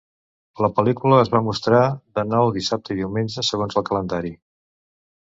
La pel·lícula es va mostrar de nou dissabte i diumenge segons el calendari.